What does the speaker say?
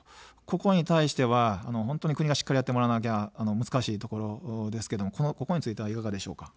ここに対しては国がしっかりやってもらわなきゃ難しいところですけど、ここはいかがですか。